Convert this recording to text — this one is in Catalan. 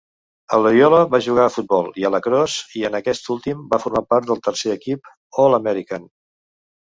A Loyola, va jugar a futbol i a lacrosse i, en aquest últim, va formar part del tercer equip "All-American".